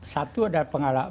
satu adalah penghargaan